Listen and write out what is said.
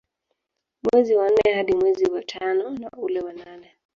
Mwezi wa nne hadi mwezi wa tano na ule wa nane